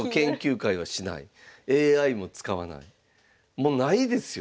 もうないですよ